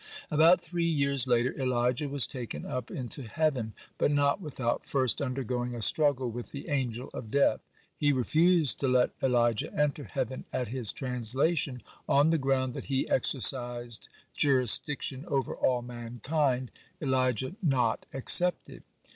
(30) About three years (31) later, Elijah was taken up into heaven, (32) but not without first undergoing a struggle with the Angel of Death. He refused to let Elijah enter heaven at his translation, on the ground that he exercised jurisdiction over all mankind, Elijah not excepted.